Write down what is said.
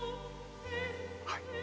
はい。